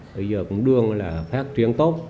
bây giờ cũng đương là phát triển tốt